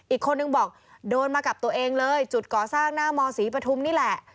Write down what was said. อีกคนนึงบอกโดนมากับตัวเองเลยจุดก่อสร้างหน้ามศรีปฐุมนี่แหละ